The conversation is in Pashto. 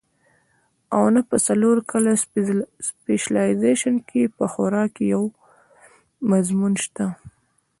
او نۀ پۀ څلور کاله سپېشلائزېشن کښې پۀ خوراک يو مضمون شته